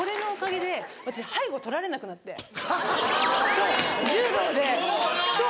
そう柔道でそう。